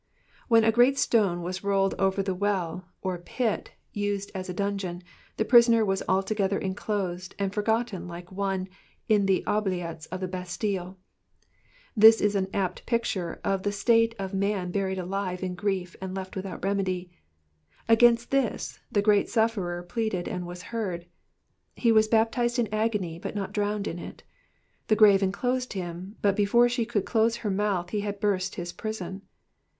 "*"* When a great stone was rolled over the well, or pit, used as a dungeon, the prisoner was altogether enclosed, and forgotten like one in the oubliettes of the Bastille ; this is an apt picture of the state of a man buried alive in grief and left with out remedy ; against this the great sufferer pleaded and was heard. He was baptised in agony but not drowned in it ; the grave enclosed him, but before she could close her mouth he had burst his prison.